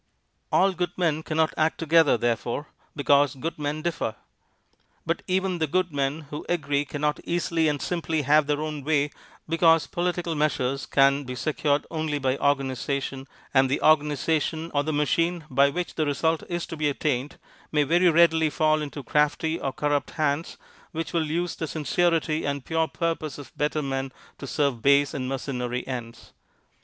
All good men cannot act together, therefore, because good men differ. But even the good men who agree cannot easily and simply have their way, because political measures can be secured only by organization, and the organization, or the machine by which the result is to be attained, may very readily fall into crafty or corrupt hands, which will use the sincerity and pure purpose of better men to serve base and mercenary ends.